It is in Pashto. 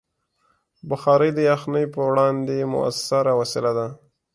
بخاري د یخنۍ پر وړاندې مؤثره وسیله ده.